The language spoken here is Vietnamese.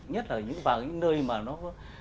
nhất là vào những nơi mà nó